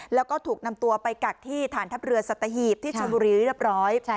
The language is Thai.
แล้วก็ถูกนำตัวไปกักที่ฐานทัพเรือสัตหีบที่ชนบุรีเรียบร้อย